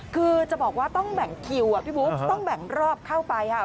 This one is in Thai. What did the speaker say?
คือจะบอกว่าต้องแบ่งคิวพี่บุ๊คต้องแบ่งรอบเข้าไปค่ะ